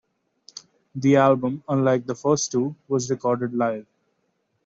The album, unlike the first two, was recorded live.